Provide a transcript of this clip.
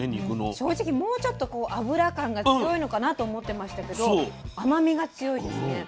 正直もうちょっとこう脂感が強いのかなと思ってましたけど甘みが強いですね。